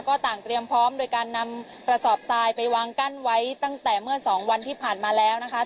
ก็ต่างเตรียมพร้อมโดยการนำกระสอบทรายไปวางกั้นไว้ตั้งแต่เมื่อสองวันที่ผ่านมาแล้วนะคะ